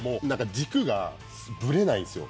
軸がぶれないんですよ